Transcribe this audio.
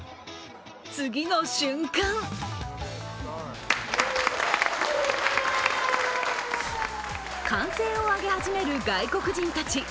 次の瞬間歓声を上げ始める外国人たち。